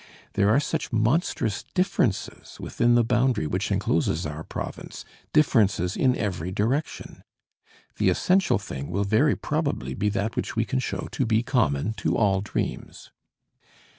There are such monstrous differences within the boundary which encloses our province, differences in every direction. The essential thing will very probably be that which we can show to be common to all dreams.